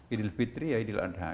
idil fitri ya idil adha